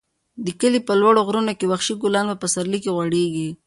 د کلي په لوړو غرونو کې وحشي ګلان په پسرلي کې غوړېږي.